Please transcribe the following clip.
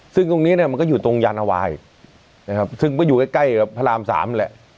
ซึ่งตรงนี้เนี่ยมันก็อยู่ตรงยานาวายนะครับซึ่งก็อยู่ใกล้ใกล้กับพระรามสามแหละ